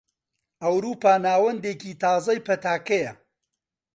ئەوروپا ناوەندێکی تازەی پەتاکەیە.